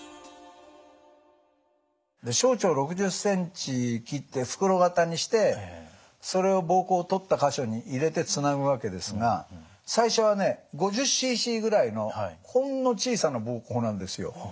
小腸６０ｃｍ切って袋型にしてそれを膀胱を取った箇所に入れてつなぐわけですが最初はね５０ｃｃぐらいのほんの小さな膀胱なんですよ。